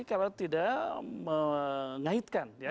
kalau tidak mengaitkan ya